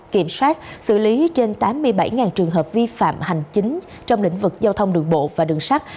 kiểm soát xử lý trên tám mươi bảy trường hợp vi phạm hành chính trong lĩnh vực giao thông đường bộ và đường sắt